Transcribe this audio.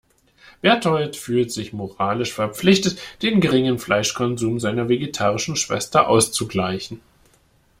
Bertold fühlt sich moralisch verpflichtet, den geringen Fleischkonsum seiner vegetarischen Schwester auszugleichen.